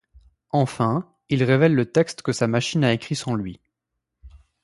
Enfin, il révèle le texte que sa machine a écrit sans lui.